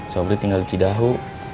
sobri tinggal di cidahu